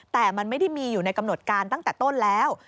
แต่มันไม่ได้มีอยู่ในกำหนดการตั้งแต่ต้นแล้ว